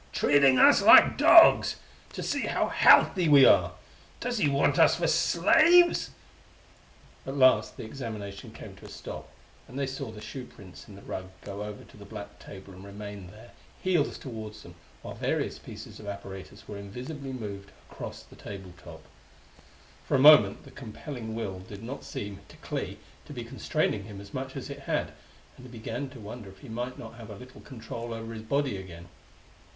"Treating us like dogs, to see how healthy we are! Does he want us for slaves?" At last the examination came to a stop, and they saw the shoe prints in the rug go over to the black table and remain there, heels toward them, while various pieces of apparatus were invisibly moved across the table top. For a moment the compelling will did not seem, to Clee, to be constraining him as much is it had, and he began to wonder if he might not have a little control over his body again.